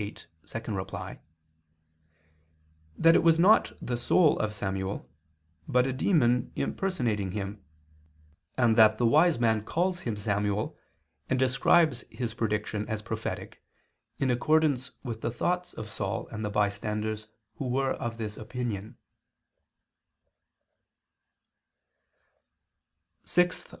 8, ad 2] that it was not the soul of Samuel, but a demon impersonating him; and that the wise man calls him Samuel, and describes his prediction as prophetic, in accordance with the thoughts of Saul and the bystanders who were of this opinion.